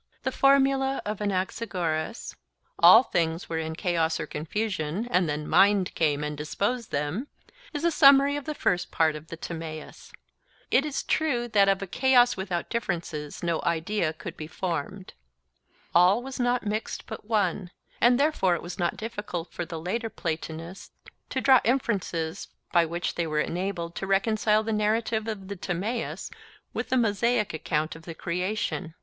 The formula of Anaxagoras—'all things were in chaos or confusion, and then mind came and disposed them'—is a summary of the first part of the Timaeus. It is true that of a chaos without differences no idea could be formed. All was not mixed but one; and therefore it was not difficult for the later Platonists to draw inferences by which they were enabled to reconcile the narrative of the Timaeus with the Mosaic account of the creation.